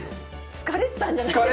疲れてたんじゃないですか。